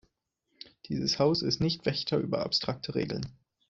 Dieses Haus ist nicht Wächter über abstrakte Regeln.